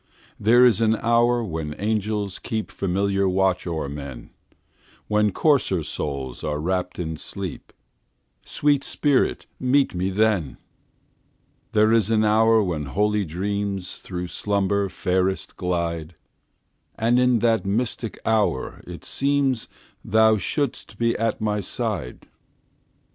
There is an hour when angels keepFamiliar watch o'er men, When coarser souls are wrapp'd in sleep—Sweet spirit, meet me then! There is an hour when holy dreamsThrough slumber fairest glide; And in that mystic hour it seemsThou shouldst be by my side.